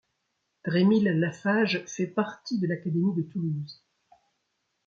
Drémil-Lafage fait partie de l'académie de Toulouse.